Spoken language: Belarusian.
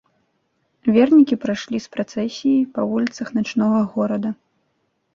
Вернікі прайшлі з працэсіяй па вуліцах начнога горада.